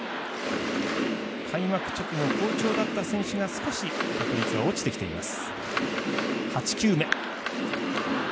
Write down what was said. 開幕直後、好調だった選手が少し確率が落ちてきています。